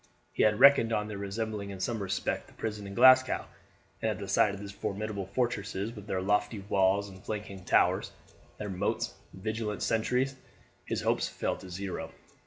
He had reckoned on their resembling in some respect the prison in Glasgow, and at the sight of these formidable fortresses with their lofty walls and flanking towers, their moats and vigilant sentries, his hopes fell to zero.